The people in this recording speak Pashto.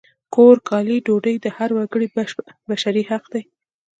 کور، کالي، ډوډۍ د هر وګړي بشري حق دی!